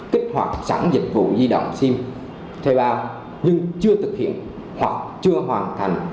kích hoạt sản dịch vụ di động sim thuê bao nhưng chưa thực hiện hoặc chưa hoàn thành